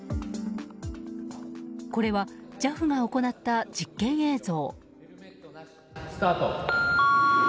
これはＪＡＦが行った実験映像。